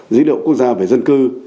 dữ liệu quốc gia về dân cư